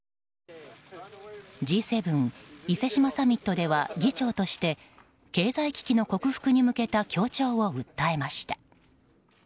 Ｇ７、伊勢志摩サミットでは議長として、経済危機の克服に向けた協調を訴えました。